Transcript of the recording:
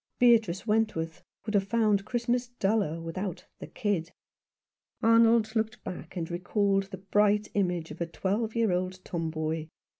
Beatrice Wentworth would have found Christmas duller without "the kid." Arnold locked back and recalled the bright image of a twelve year old tomboy.